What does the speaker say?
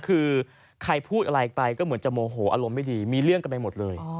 คือใครพูดอะไรไปก็เหมือนจะโมโหอารมณ์ไม่ดีมีเรื่องกันไปหมดเลย